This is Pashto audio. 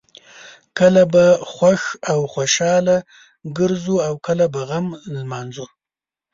کله به خوښ او خوشحاله ګرځو او کله به غم لمانځو.